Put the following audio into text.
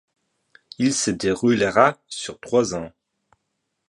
Il se déroulera sur trois ans.